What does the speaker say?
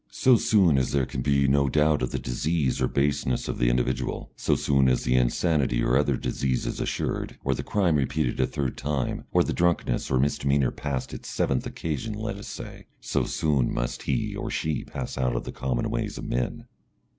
So soon as there can be no doubt of the disease or baseness of the individual, so soon as the insanity or other disease is assured, or the crime repeated a third time, or the drunkenness or misdemeanour past its seventh occasion (let us say), so soon must he or she pass out of the common ways of men.